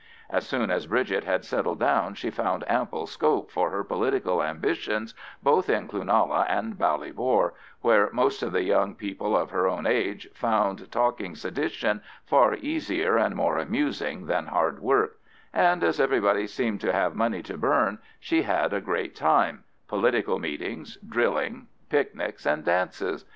As soon as Bridget had settled down she found ample scope for her political ambitions both in Cloonalla and Ballybor, where most of the young people of her own age found talking sedition far easier and more amusing than hard work; and as everybody seemed to have money to burn, she had a great time—political meetings, drilling, picnics, and dances.